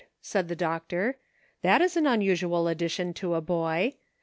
" said the doctor; " that is an unusual addition to a boy.